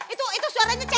itu itu suaranya cewek